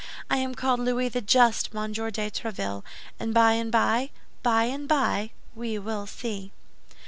I am called Louis the Just, Monsieur de Tréville, and by and by, by and by we will see."